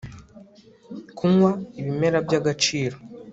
Kunywa ibimera byagaciro